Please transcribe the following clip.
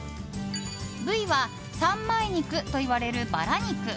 部位は、三枚肉といわれるバラ肉。